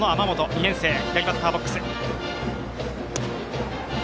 ２年生、左バッターボックス。